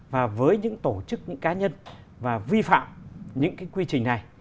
và với những tổ chức cá nhân và vi phạm những quy trình này